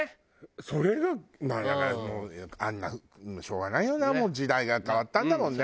それがだからもうあんなしょうがないよなもう時代が変わったんだもんね。